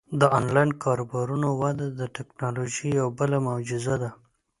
د آنلاین کاروبارونو وده د ټیکنالوژۍ یوه بله معجزه ده.